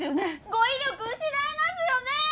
語彙力失いますよね！